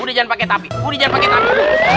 udah jangan pakai tapi